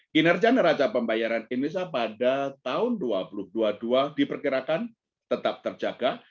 kinerja neraca pembayaran indonesia pada tahun dua ribu dua puluh dua diperkirakan tetap terjaga